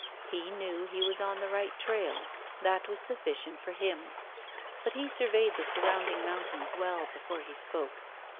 He knew he was on the right trail. That was sufficient for him. But he surveyed the surrounding mountains well before he spoke.